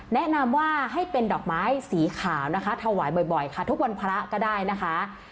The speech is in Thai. แนะนำว่าให้เป็นดอกไม้สีขาวนะคะถวายบ่อยค่ะทุกวันพระก็ได้นะคะ